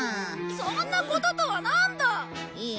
そんなこととはなんだ！いい？